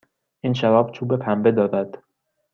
این شراب چوب پنبه دارد.